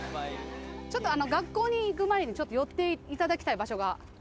「学校に行く前にちょっと寄っていただきたい場所が」